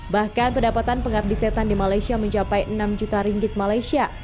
bahkan pendapatan pengabdi setan di malaysia mencapai enam juta ringgit malaysia